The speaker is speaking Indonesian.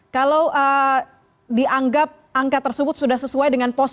kalau dianggap angka tersebut sudah sesuai dengan pos